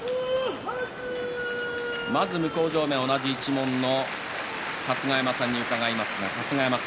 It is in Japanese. まず向正面、同じ一門の春日山さんに伺います。